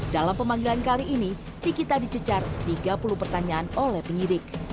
dalam pemanggilan kali ini nikita dicecar tiga puluh pertanyaan oleh penyidik